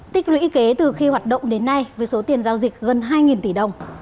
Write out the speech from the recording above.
tích lũy kế từ khi hoạt động đến nay với số tiền giao dịch gần hai tỷ đồng